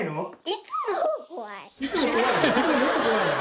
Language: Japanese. いつもは怖いの？